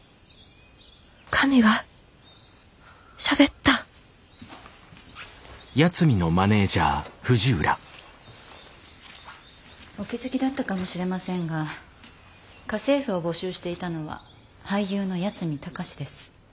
神がしゃべったお気付きだったかもしれませんが家政婦を募集していたのは俳優の八海崇です。